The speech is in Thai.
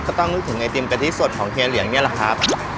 ต้องนึกถึงไอติมกะทิสดของเฮียเหลียงนี่แหละครับ